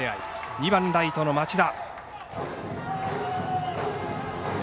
２番ライトの町田。